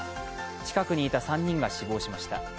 近くにいた３人が死亡しました。